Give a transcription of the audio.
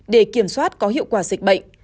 để kiểm soát có hiệu quả dịch bệnh